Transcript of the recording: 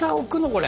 これ。